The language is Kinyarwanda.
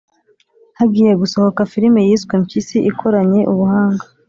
Hagiye gusohoka Filime yiswe 'Mpyisi' ikoranye ubuhanga